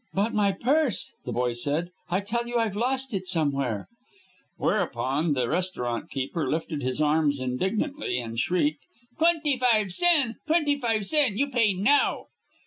"But my purse!" the boy said. "I tell you I've lost it somewhere." Whereupon the restaurant keeper lifted his arms indignantly and shrieked: "Twenty five sen! Twenty five sen! You pay now!"